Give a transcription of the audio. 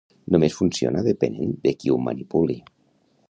Només funciona depenent de qui ho manipuli